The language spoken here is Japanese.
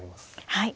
はい。